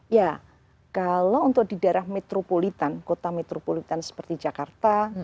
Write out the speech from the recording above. ya kalau untuk di daerah metropolitan kota metropolitan seperti jakarta